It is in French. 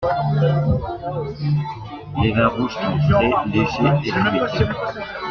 Les vins rouges sont frais, légers et fruités.